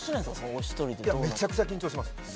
お一人でめちゃくちゃ緊張します